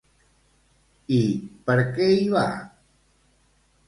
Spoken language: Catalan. I per què hi va?